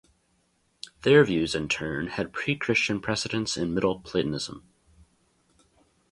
Their views in turn had pre-Christian precedents in middle Platonism.